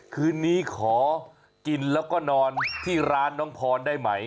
คืนนี้ขอกินแล้วก็นอนที่ร้านน้องพรได้ไหม